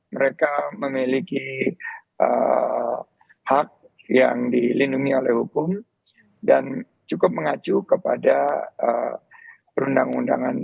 mereka memiliki hak yang dilindungi oleh hukum dan cukup mengacu kepada perundang undangan